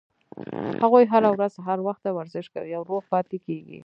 هغوي هره ورځ سهار وخته ورزش کوي او روغ پاتې کیږي